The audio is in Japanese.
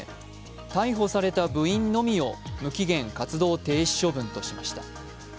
逮捕された部員のみを無期限活動停止処分としました。